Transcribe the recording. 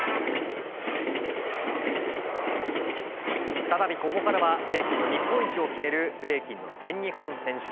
再びここからはブレイキンの日本一を決めるブレイキンの全日本選手権。